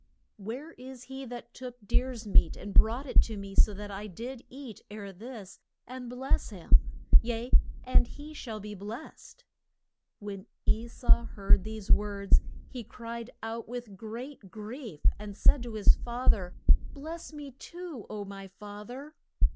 Where is he that took deer's meat and brought it to me so that I did eat ere this, and bless him? Yea, and he shall be blest. When E sau heard these words he cried out with great grief, and said to his fa ther, Bless me too, O my fa ther!